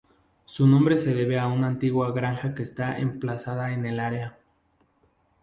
Su nombre se debe a una antigua granja que está emplazada en el área.